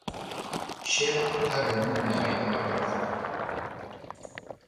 Shell ha rebut una beca MacArthur.